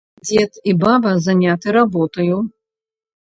Дзед і баба заняты работаю.